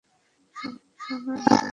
শোন না, বন্ধু।